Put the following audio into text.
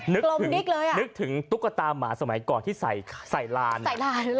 นึกถึงนึกถึงตุ๊กตาหมาสมัยก่อนที่ใส่ใส่ลานใส่ลานแล้วก็มันจะตี